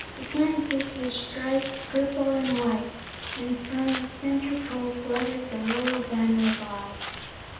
The canvas was striped purple and white, and from the center pole fluttered the royal banner of Oz.